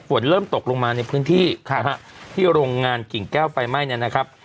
ฝนเริ่มตกลงมาในพื้นที่นะฮะที่โรงงานกิ่งแก้วไฟไหม้เนี่ยนะครับ